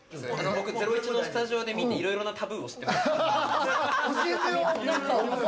僕、『ゼロイチ』のスタジオで見ていろいろなタブーを知ってます。